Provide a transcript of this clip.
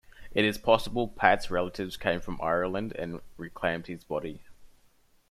It is possible Pat's relatives came from Ireland and reclaimed his body.